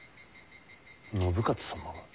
信雄様が？